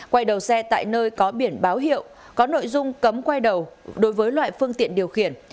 quay đầu xe tại nơi có biển báo hiệu có nội dung cấm quay đầu đối với loại phương tiện điều khiển